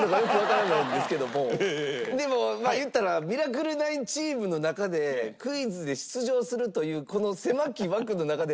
でも言ったらミラクル９チームの中でクイズで出場するというこの狭き枠の中で。